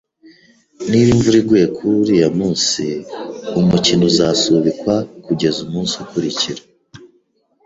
Niba imvura iguye kuri uriya munsi, umukino uzasubikwa kugeza umunsi ukurikira